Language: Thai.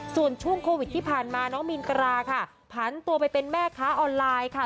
ส่วนช่วงโควิดที่ผ่านมาน้องมีนกราค่ะผันตัวไปเป็นแม่ค้าออนไลน์ค่ะ